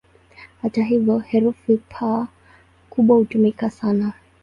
Hata hivyo, herufi "P" kubwa hutumika sana.